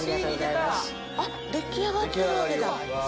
出来上がってるわけだ。